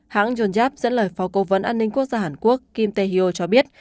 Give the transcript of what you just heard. hãng yonjap dẫn lời phó câu vấn an ninh quốc gia hàn quốc kim tae hyo cho biết